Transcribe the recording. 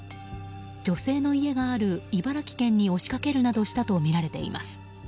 女性の家がある茨城県に押しかけるなどしたとみられています。